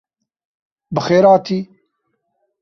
Bi xêr hatî.